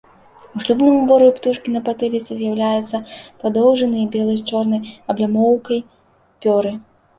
У шлюбным уборы ў птушкі на патыліцы з'яўляюцца падоўжаныя, белыя з чорнай аблямоўкай пёры.